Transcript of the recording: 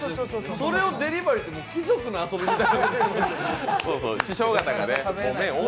それをデリバリーって、貴族の遊びみたい。